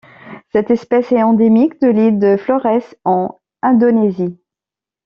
Cette espèce est endémique de l'île de Florès, en Indonésie.